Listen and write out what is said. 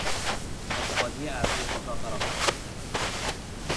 اتحادیه اعضای خود را فرا خواند.